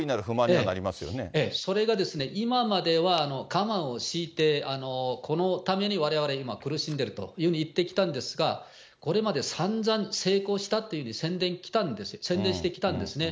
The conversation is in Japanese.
ええ、それが今までは我慢を強いて、このためにわれわれ、今、苦しんでいるというふうに言ってきたんですが、これまでさんざん成功したというふうに宣伝してきたんですね。